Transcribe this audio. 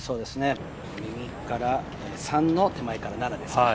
右から３の手前から７ですね。